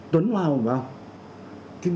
tuấn hoa hồng phải không